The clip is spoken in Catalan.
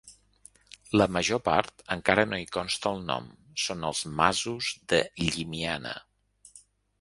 La major part, encara que no hi consta el nom, són els Masos de Llimiana.